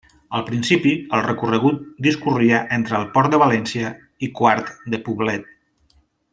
Al principi, el recorregut discorria entre el Port de València i Quart de Poblet.